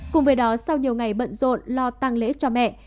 cùng với đó sau nhiều ngày bận rộn lo tăng lễ cho mẹ